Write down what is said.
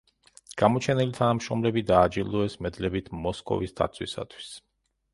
გამოჩენილი თანამშრომლები დააჯილდოეს მედლებით „მოსკოვის დაცვისათვის“.